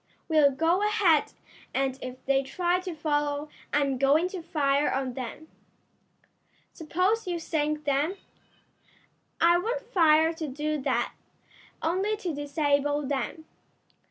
"We'll go ahead, and if they try to follow I'm going to fire on them." "Suppose you sink them?" "I won't fire to do that; only to disable them.